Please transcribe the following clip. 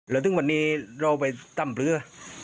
แล้วถึงวันนี้เราไปต้ำเพลือ